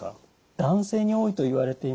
男性に多いといわれています。